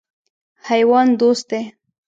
حیوان دوست دی.